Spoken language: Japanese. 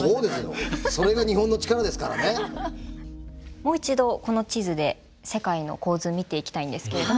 もう一度この地図で世界の構図見ていきたいんですけれども。